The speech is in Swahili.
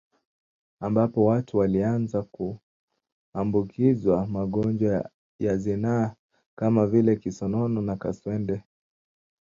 Ambapo watu walianza kuambukizwa magonjwa ya zinaa kama vile kisonono na kaswende